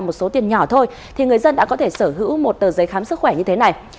một số tiền nhỏ thôi thì người dân đã có thể sở hữu một tờ giấy khám sức khỏe như thế này